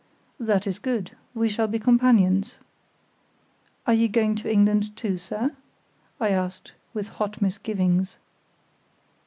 "That is good. We shall be companions." "Are you going to England, too, sir?" I asked, with hot misgivings.